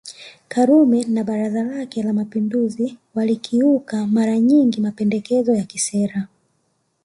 Karume na Baraza lake la Mapinduzi walikiuka mara nyingi mapendekezo ya kisera